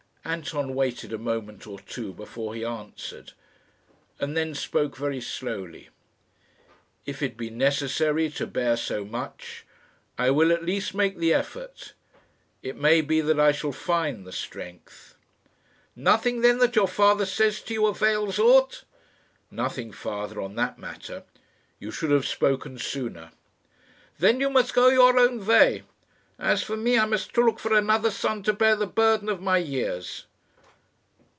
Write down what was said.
Anton waited a moment or two before he answered, and then spoke very slowly. "If it be necessary to bear so much, I will at least make the effort. It may be that I shall find the strength." "Nothing then that your father says to you avails aught?" "Nothing, father, on that matter. You should have spoken sooner." "Then you must go your own way. As for me, I must look for another son to bear the burden of my years."